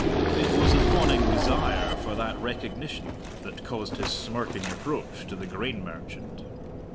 It was a fawning desire for that recognition that caused his smirking approach to the grain merchant.